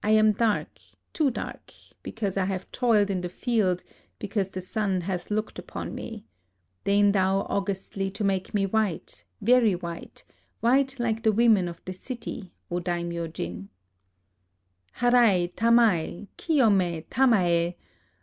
1 am dark, too dark, because I have toiled in the field, because the sun hath looked upon me. Deign thou augustly to make me white, very white, — white like the women of the city, O Daimyo jin !" A LIVING GOD 7 —" Harai tamai kiyome tamae